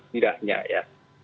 tidak hanya ya